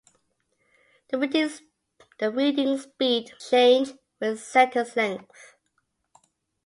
The reading speed might change with sentence length